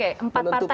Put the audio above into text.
oke empat partai ya